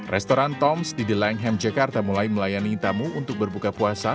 restoran tom s di the langham jakarta mulai melayani tamu untuk berbuka puasa